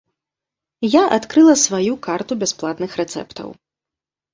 Я адкрыла сваю карту бясплатных рэцэптаў.